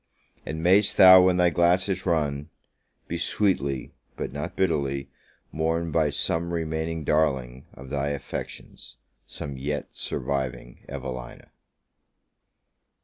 And mayest thou, when thy glass is run, be sweetly, but not bitterly, mourned by some remaining darling of thy affections some yet surviving Evelina!